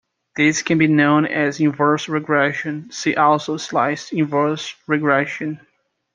This can be known as "inverse regression": see also sliced inverse regression.